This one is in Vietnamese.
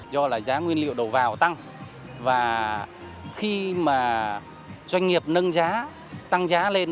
do là giá nguyên liệu đầu vào tăng và khi mà doanh nghiệp nâng giá tăng giá lên